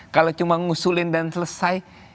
kalau cuma ngusulin dan selesai